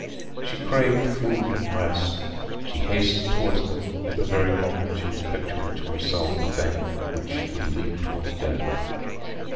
She craved food and rest—she hastened towards them at the very moment she was picturing to herself the bank from which she would leap towards death.